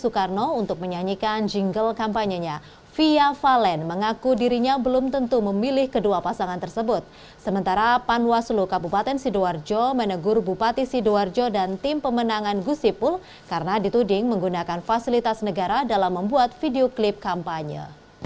ketika di tuding di tuding menggunakan fasilitas negara dalam membuat video klip kampanye